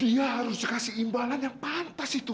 ya harus dikasih imbalan yang pantas itu